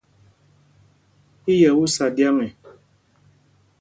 I yɛ́ ú sá ɗyǎŋ e ?